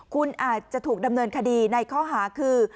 คุณอาจจะถูกดำเนินคดีในข้อหาคือ